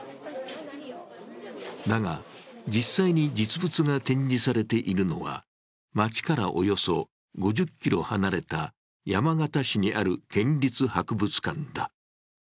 だが、実際に実物が展示されているのは町からおよそ５０ｋｍ離れた山形市にある県立博物館だ。